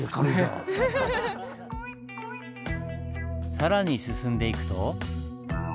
更に進んでいくと。